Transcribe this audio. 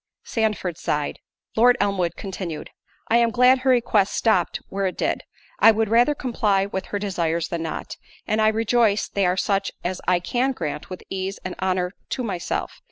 Sandford sighed. Lord Elmwood continued: "I am glad her request stopped where it did. I would rather comply with her desires than not; and I rejoice they are such as I can grant with ease and honour to myself.